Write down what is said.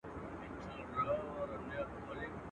د پاچا په زړه کي ځای یې وو نیولی.